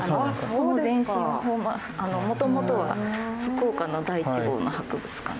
この前身のもともとは福岡の第１号の博物館で。